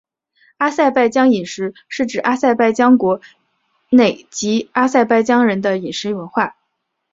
阿塞拜疆饮食是指阿塞拜疆国内及阿塞拜疆人的饮食文化。